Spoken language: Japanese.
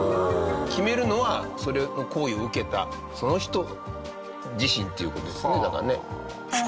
決めるのはその行為を受けたその人自身という事ですねだからね。